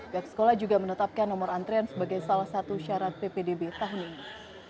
pihak sekolah juga menetapkan nomor antrean sebagai salah satu syarat ppdb tahun ini